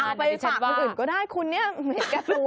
เอาไปฉากคนอื่นก็ได้คุณเนี่ยเหมือนกันดู